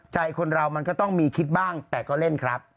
ใจคนเรามันก็ต้องมีคิดบ้างแต่ก็เล่นครับ